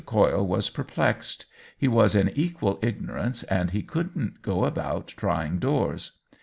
Coyle was perplexed ; he was in equal ignorance, and he couldn't go about trying doors.